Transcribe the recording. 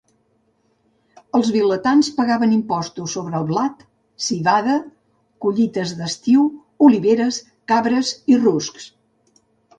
Els vilatans pagaven impostos sobre el blat, civada, collites d'estiu, oliveres, cabres i ruscs.